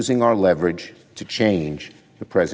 dengan menggunakan kegiatan kita